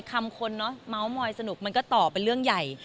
คำคนเนอะเมาส์มอยสนุกมันก็ต่อเป็นเรื่องใหญ่